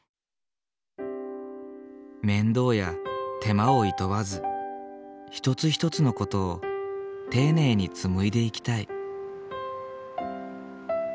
面倒や手間をいとわず一つ一つの事を丁寧に紡いでいきたい。